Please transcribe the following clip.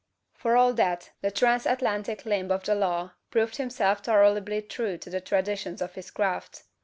For all that, the transatlantic limb of the law proved himself tolerably true to the traditions of his craft.